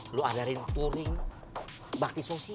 lu adarin touring bakti sosial